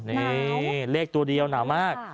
นี่เลขตัวเดียวหนาวมาก